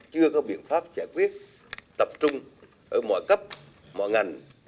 chưa có biện pháp giải quyết tập trung ở mọi cấp mọi ngành